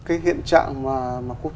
cái hiện trạng mà